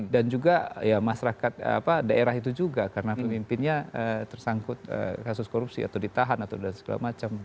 dan juga ya masyarakat daerah itu juga karena pemimpinnya tersangkut kasus korupsi atau ditahan atau segala macam